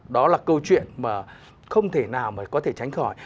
đó là câu chuyện mà không thể nào mà có thể tránh khỏi